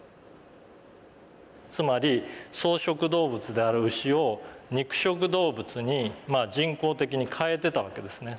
つまり草食動物である牛を肉食動物に人工的に変えてたわけですね。